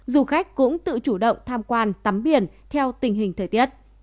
du khách cũng tự chủ động tham quan tắm biển theo tình hình thời tiết